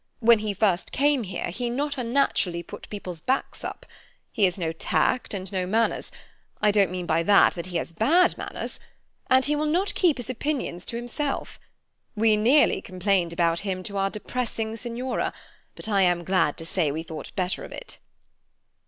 When he first came here he not unnaturally put people's backs up. He has no tact and no manners—I don't mean by that that he has bad manners—and he will not keep his opinions to himself. We nearly complained about him to our depressing Signora, but I am glad to say we thought better of it."